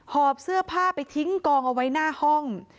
หอบเสื้อผ้าไปทิ้งกองเอาไว้หน้าห้อง